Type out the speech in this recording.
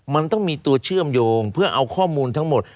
มันต้องมีตัวเชื่อมโยงเพื่อเอาข้อมูลทั้งหมด